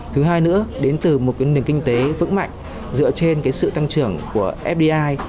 thứ hai nữa đến từ một nền kinh tế vững mạnh dựa trên sự tăng trưởng của fdi